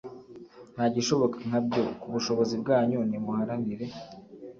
Nta gishoboka nka byo! Ku bushobozi bwanyu, nimuharanire